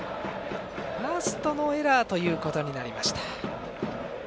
ファーストのエラーということになりました。